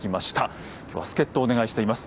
今日は助っ人をお願いしています。